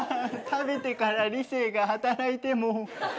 食べてから理性が働いても。